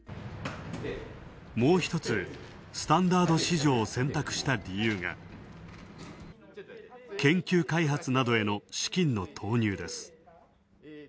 もう一つ、スタンダード市場を選択した理由が、研究開発などへの資金の投入です。